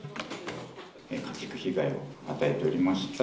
家畜被害を与えておりました